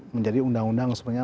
menjadi undang undang sebenarnya